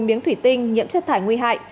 miếng thủy tinh nhiễm chất thải nguy hại